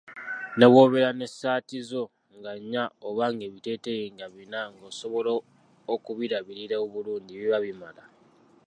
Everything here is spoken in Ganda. Ne bw'obeera n'essaati zo nga nnya oba ebiteeteeyi nga bina nga osobola okubirabirira obulungi biba bimala.